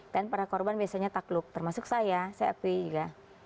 para korban biasanya takluk termasuk saya saya akui juga